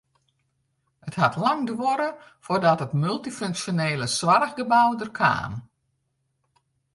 It hat lang duorre foardat it multyfunksjonele soarchgebou der kaam.